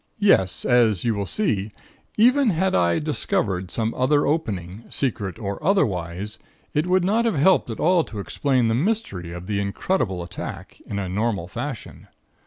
"Yes, as you will see, even had I discovered some other opening, secret or otherwise, it would not have helped at all to explain the mystery of the incredible attack, in a normal fashion.